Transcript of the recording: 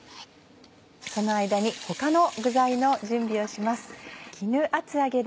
その間に他の具材の準備をします。